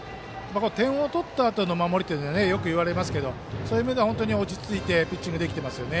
点を取ったあとの守りというのはよく言われますがそういう意味では本当に落ち着いてピッチングできていますね。